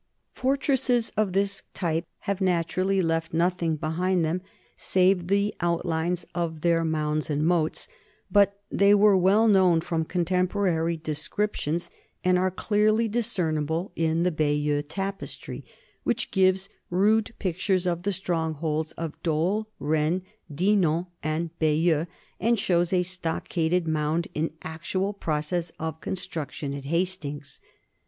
Fortresses of this type have naturally left nothing be hind them save the outlines of their mounds and moats, but they are well known from contemporary descrip tions and are clearly discernible in the Bayeux Tapestry, which gives rude pictures of the strongholds of Dol, Rennes, Dinan, and Bayeux, and shows a stockaded mound in actual process of construction at Hastings.